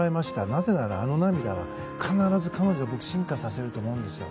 なぜなら、あの涙が必ず彼女を進化させると思うんですよ。